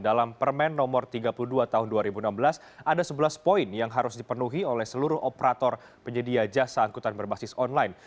dalam permen nomor tiga puluh dua tahun dua ribu enam belas ada sebelas poin yang harus dipenuhi oleh seluruh operator penyedia jasa angkutan berbasis online